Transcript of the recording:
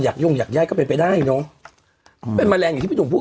หยักยุ่งหยักไยก็เป็นไปได้เนอะเป็นแมลงอย่างที่พี่หนุ่มพูด